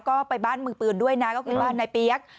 ก็ไปบ้านมือปืนด้วยนะก็คือบ้านนายเปี๊ยก